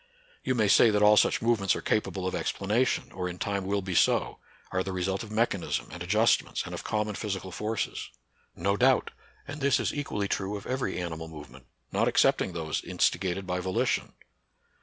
You may say that all such movements are capable of explanation, or in time will be so; are the result of mechanism, and adjustments, and of common physical forces. No doubt; and this is equally true of every animal movement, not excepting those insti gated by volition.